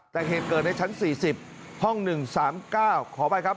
แต่เหตุเกิดในชั้นสี่สิบห้องหนึ่งสามเก้าขอไปครับ